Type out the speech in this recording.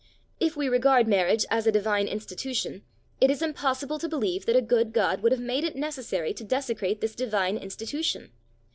If we regard marriage as a divine institution, it is impossible to believe that a good God would have made it necessary to desecrate this divine institution.